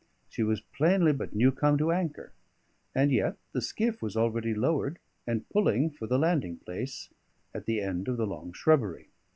She was plainly but new come to anchor, and yet the skiff was already lowered and pulling for the landing place at the end of the long shrubbery.